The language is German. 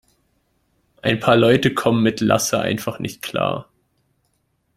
Ein paar Leute kommen mit Lasse einfach nicht klar.